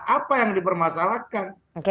apa yang dipermasalahkan